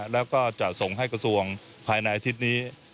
แล้วก็จะส่งให้กระทรวงภายในอาทิตย์นี้